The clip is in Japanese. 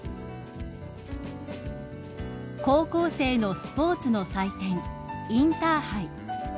［高校生のスポーツの祭典インターハイ］